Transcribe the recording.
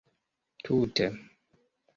tute